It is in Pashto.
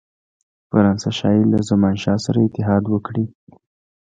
فرانسه ښايي له زمانشاه سره اتحاد وکړي.